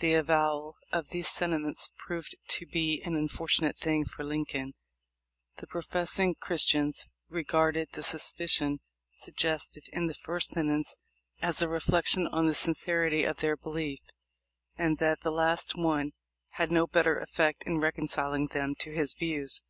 The avowal of these sentiments proved to be an unfortunate thing for Lincoln. The profess ing Christians regarded the suspicion suggested in the first sentence as a reflection on the sincerity of their belief, and the last one had no better effect in reconciling them to his views.